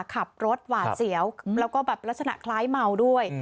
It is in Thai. ขับรถหวาดเสียวแล้วก็แบบลักษณะคล้ายเมาด้วย